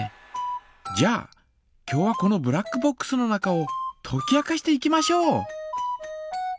じゃあ今日はこのブラックボックスの中をとき明かしていきましょう。